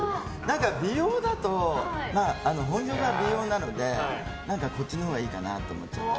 美容だと本業が美容なのでこっちのほうがいいかなと。